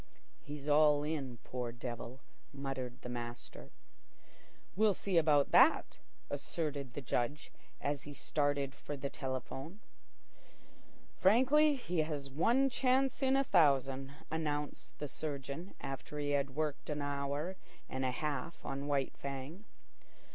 "He's all in, poor devil," muttered the master. "We'll see about that," asserted the Judge, as he started for the telephone. "Frankly, he has one chance in a thousand," announced the surgeon, after he had worked an hour and a half on White Fang.